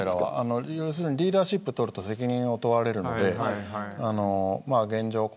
要するにリーダーシップをとると責任を問われるので現状